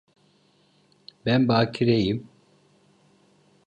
Ben bakireyim.